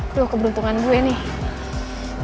aduh keberuntungan gue nih